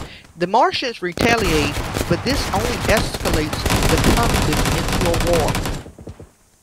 The Martians retaliate, but this only escalates the conflict into a war.